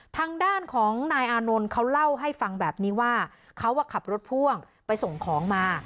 ทางด้านของนายอานนท์เขาเล่าให้ฟังแบบนี้ว่าเขาขับรถพ่วงไปส่งของมา